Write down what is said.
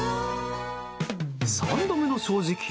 ３度目の正直？